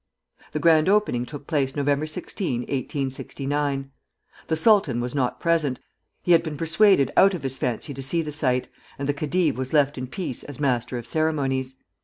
The grand opening took place Nov. 16, 1869. The sultan was not present; he had been persuaded out of his fancy to see the sight, and the khedive was left in peace as master of ceremonies.